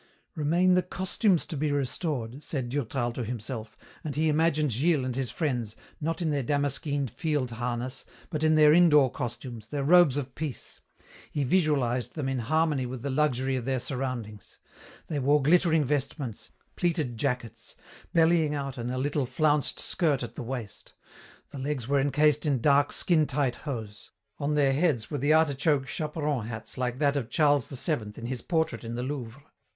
"Remain the costumes to be restored," said Durtal to himself, and he imagined Gilles and his friends, not in their damaskeened field harness, but in their indoor costumes, their robes of peace. He visualized them in harmony with the luxury of their surroundings. They wore glittering vestments, pleated jackets, bellying out in a little flounced skirt at the waist. The legs were encased in dark skin tight hose. On their heads were the artichoke chaperon hats like that of Charles VII in his portrait in the Louvre.